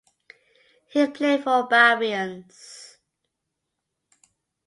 He played for Barbarians.